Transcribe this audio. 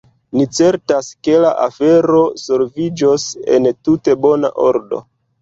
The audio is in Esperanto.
Ni certas, ke la afero solviĝos en tute bona ordo.